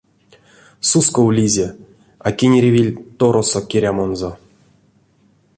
Сусковлизе, а кенеревель торосо керямонзо.